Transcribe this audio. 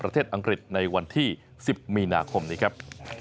อังกฤษในวันที่๑๐มีนาคมนี้ครับ